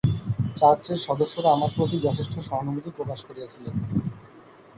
চার্চের সদস্যেরা আমার প্রতি যথেষ্ট সহানুভূতি প্রকাশ করিয়াছিলেন।